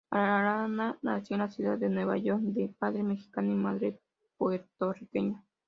Arana nació en la ciudad de Nueva York, de padre mexicano y madre puertorriqueña.